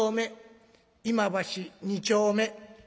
「今橋２丁目」。